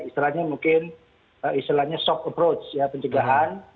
istilahnya mungkin istilahnya soft approach ya pencegahan